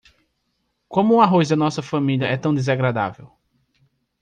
Como o arroz da nossa família é tão desagradável?